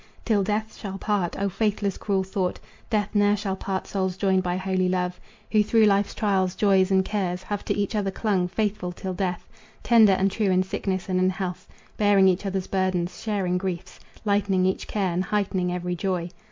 Till death shall part! O faithless, cruel thought! Death ne'er shall part souls joined by holy love, Who through life's trials, joys and cares Have to each other clung, faithful till death, Tender and true in sickness and in health, Bearing each other's burdens, sharing griefs, Lightening each care and heightening every joy.